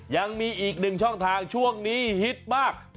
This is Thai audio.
ยังมีอีกหนึ่งช่องทางช่วงนี้ฮิตมาก